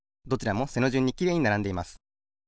どちらも背のじゅんにきれいにならんでいます。